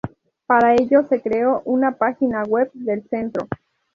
Para ello se creó una página web del centro.